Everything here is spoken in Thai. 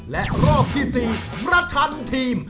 และรอบที่๔ประชันทีม